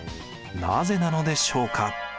なぜなのでしょうか？